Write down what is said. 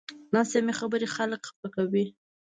ناسمې خبرې خلک خفه کوي